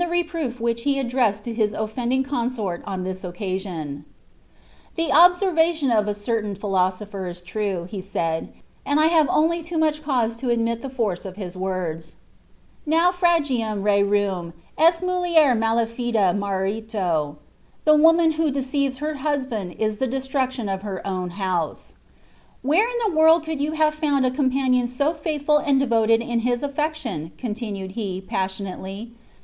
uf wliich be addressed to his oflending consort on this occasion. "TIio observation of a certain phdosophcr is true," said he, "and S 1 411 only too much cause to admit the force of his words —' NBuTrBgium rorum est niuliec itiBlefiJa jnatila;' ■Tlie woman who deceives her husband is the destruction of her mhoDW.' "Whwa in all the world could yon have found a companion so faith U Bd devoted in his afleclion f" continued he, passionately.